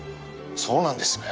そうなんですね。